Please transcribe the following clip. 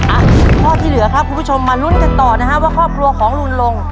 อ่ะข้อที่เหลือครับคุณผู้ชมมาลุ้นกันต่อนะฮะว่าครอบครัวของลุงลง